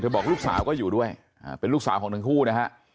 บอกลูกสาวก็อยู่ด้วยเป็นลูกสาวของทั้งคู่นะฮะ